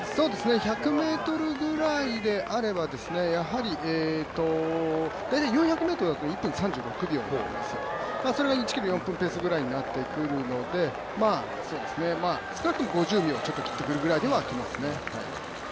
１００ｍぐらいであれば、大体４００ｍだと１分３６秒ぐらい何です、それが１ｋｍ４分のペースになってくるので少なくとも５０秒ちょっと切ってくるぐらいではありますね。